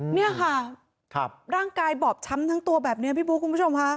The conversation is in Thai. นี่ค่ะร่างกายบอบช้ำทั้งตัวแบบนี้พี่บุ๊คคุณผู้ชมค่ะ